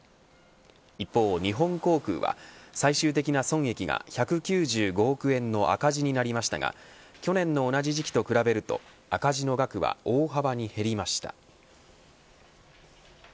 一方、日本航空は最終的な損益が１９５億円の赤字になりましたが去年の同じ時期と比べると赤字の額は大幅に減りました。